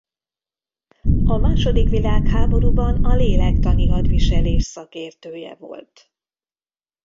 A második világháborúban a lélektani hadviselés szakértője volt.